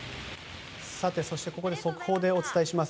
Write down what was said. ここで速報でお伝えします。